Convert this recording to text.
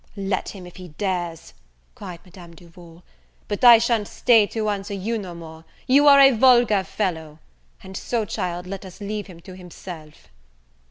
"Let him, if he dares!" cried Madame Duval; "but I shan't stay to answer you no more; you are a vulgar fellow; and so, child, let us leave him to himself."